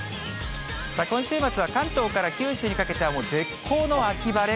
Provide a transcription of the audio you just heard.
今週末は関東から九州にかけては絶好の秋晴れ。